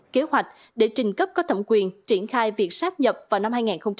kế hoạch để trình cấp có thẩm quyền triển khai việc sắp nhập vào năm hai nghìn hai mươi